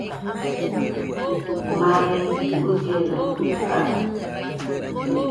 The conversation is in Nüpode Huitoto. Mare guillena ikabite.